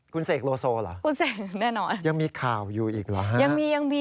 คุณเศษโลโซเหรอยังมีข่าวอยู่อีกเหรอฮะ